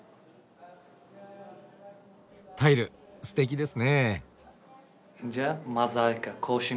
タイルすてきですね。